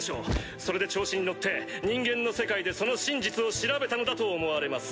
それで調子に乗って人間の世界でその真実を調べたのだと思われます。